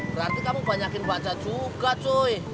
berarti kamu banyakin baca juga cuy